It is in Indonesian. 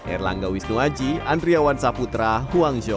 erlangga wisnuaji andriawan saputra huang zhou